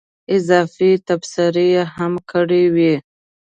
اضافي تبصرې هم کړې وې.